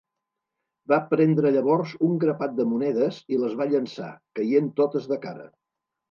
Va prendre llavors un grapat de monedes i les va llançar, caient totes de cara.